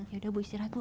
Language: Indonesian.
ya udah bu istirahat bu